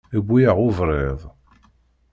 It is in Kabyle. Iwwi-yaɣ uberriḍ.